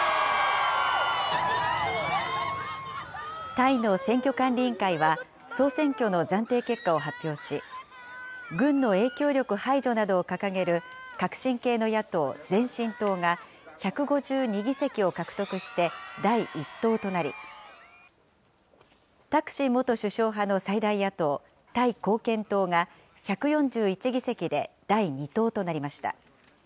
タイの選挙管理委員会は、総選挙の暫定結果を発表し、軍の影響力排除などを掲げる革新系の野党・前進党が１５２議席を獲得して第１党となり、タクシン元首相派の最大野党・タイ貢献党が１４１議席で第２党となりました。